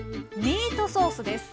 ミートソースです。